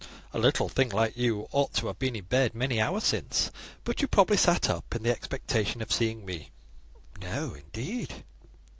"A little thing like you ought to have been in bed many hours since; but you probably sat up in the expectation of seeing me?" "No, indeed."